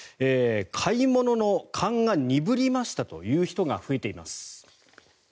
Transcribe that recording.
買い物の勘が鈍りましたという人が増えています。